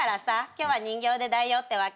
今日は人形で代用ってわけ。